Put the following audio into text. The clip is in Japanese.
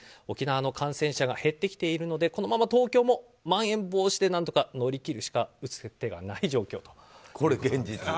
沖縄の感染者が減ってきているのでこのまま東京もまん延防止で何とか乗り切るしか打つ手がない状況と。